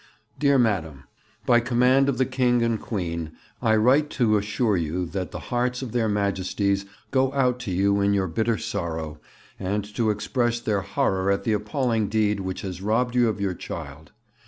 'Dear Madam, By command of the King and Queen I write to assure you that the hearts of their Majesties go out to you in your bitter sorrow, and to express their horror at the appalling deed which has robbed you of your child.